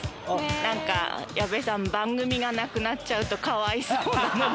なんか、矢部さん、番組がなくなっちゃうとかわいそうなので。